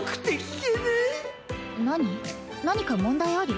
何か問題あり？